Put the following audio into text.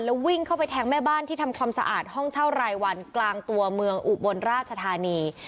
แล้ววิ่งเข้าไปแทงแม่บ้านที่ทำความสะอาดห้องเช่ารายวันกลางตัวเมืองอุบลราชธานี